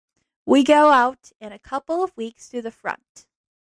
We go out in a couple of weeks to the front.